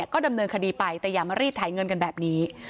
ก็ดำเนินคดีไปแต่อย่ามารีดไถเงินกันแบบนี้